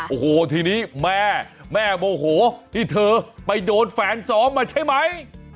โอ้โหทีนี้แม่แม่โมโหที่เธอไปโดนแฟนซ้อมมาใช่ไหม